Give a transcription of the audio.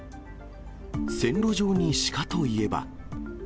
線路上に鹿といえば。